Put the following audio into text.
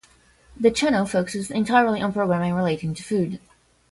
The channel focuses entirely on programming relating to food.